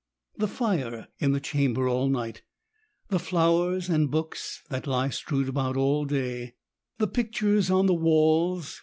The fire in the chamber all night — the flowers and books that lie strewed about all day — the pictures on the walls 1 56 ES8AYS.